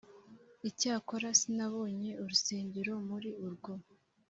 Icyakora sinabonye urusengero muri rwo,